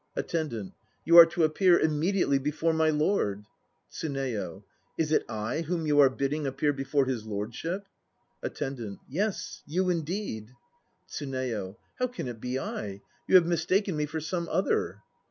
ATTENDANT. You are to appear immediately before my lord. TSUNEYO. Is it I whom you are bidding appear before his lordship? ATTENDANT. Yes, you indeed. TSUNEYO. How can it be I? You have mistaken me for some other.